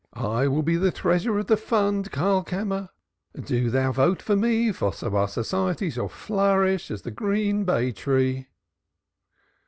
I will be the treasurer of the fund, Karlkammer do thou vote for me, for so our society shall flourish as the green bay tree."